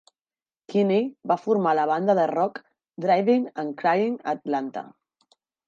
Kinney va formar la banda de rock Drivin' N' Cryin' a Atlanta.